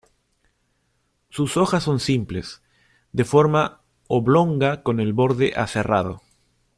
Sus hojas son simples, de forma oblonga con el borde aserrado.